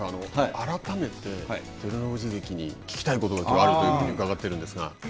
改めて照ノ富士関に聞きたいことがあるというふうに伺っているんですが。